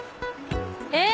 えっ？